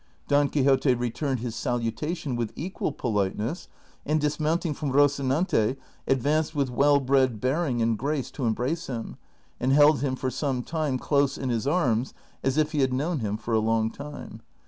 Don Quixote returned his salutation with equal politeness, and dismounting from Eocinante ad vanced with Avell bred bearing and grace to embrace him, and held him for some time close in his arms as if he had known him for a long time.